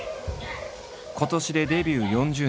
今年でデビュー４０年。